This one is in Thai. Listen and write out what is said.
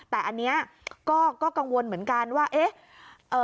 แต่อันนี้ก็กังวลเหมือนกันว่าเอ๊ะ